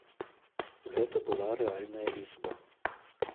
Гэта была рэальная лічба.